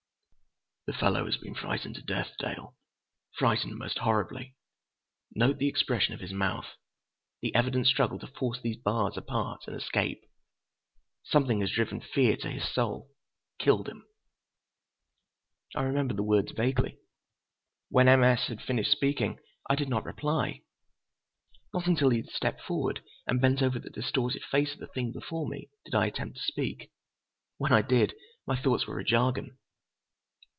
"The fellow has been frightened to death, Dale. Frightened most horribly. Note the expression of his mouth, the evident struggle to force these bars apart and escape. Something has driven fear to his soul, killed him." I remember the words vaguely. When M. S. had finished speaking, I did not reply. Not until he had stepped forward and bent over the distorted face of the thing before me, did I attempt to speak. When I did, my thoughts were a jargon.